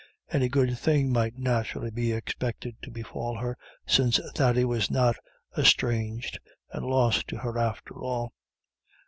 Any good thing might naturally be expected to befall her since Thady was not estranged and lost to her after all.